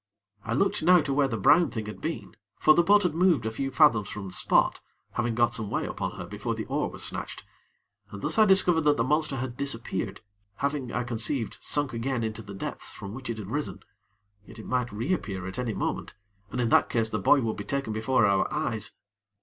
I looked now to where the brown thing had been, for the boat had moved a few fathoms from the spot, having got some way upon her before the oar was snatched, and thus I discovered that the monster had disappeared, having, I conceived, sunk again into the depths from which it had risen; yet it might re appear at any moment, and in that case the boy would be taken before our eyes.